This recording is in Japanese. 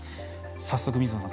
早速、水野さん